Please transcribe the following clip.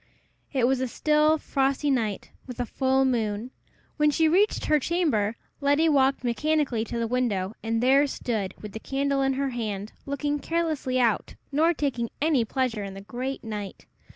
It was a still, frosty night, with a full moon. When she reached her chamber, Letty walked mechanically to the window, and there stood, with the candle in her hand, looking carelessly out, nor taking any pleasure in the great night.